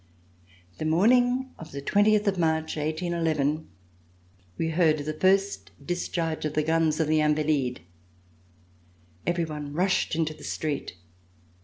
The morning of the twentieth of March, iSii, we heard the first discharge of the guns of the Invalides. Every one rushed into the street.